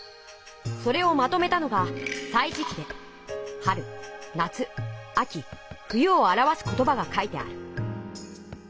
それをまとめたのが「歳時記」で春夏秋冬をあらわす言ばが書いてある。